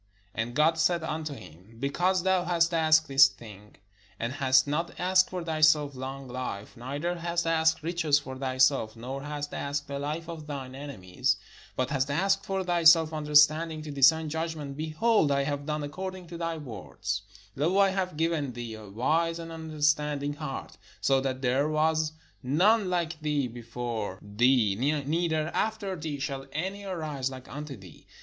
And God said unto him: "Because thou hast asked this thing, and hast not asked for thy self long life; neither hast asked riches for thyself, nor hast asked the life of thine enemies; but hast asked for thyself understanding to discern judgment, behold, I have done according to thy words : lo, I have given thee a wise and an understanding heart; so that there was none like thee before thee, neither after thee shall any arise like unto thee.